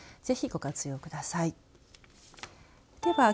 ぜひ、ご活用ください。